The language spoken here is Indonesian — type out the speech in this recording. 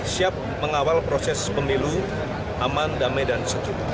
siap mengawal proses pemilu aman damai dan sejuk